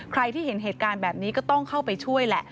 ใครที่เห็นเหตุการณ์แบบนี้ก็ต้องเข้าไปช่วยแหละ